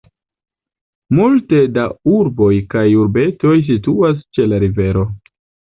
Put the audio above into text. Multe da urboj kaj urbetoj situas ĉe la rivero.